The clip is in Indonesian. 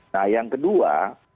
nah yang kedua